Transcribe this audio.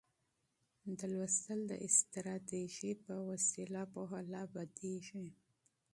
د مطالعې د استراتيژۍ په واسطه پوهه لا بدیږي.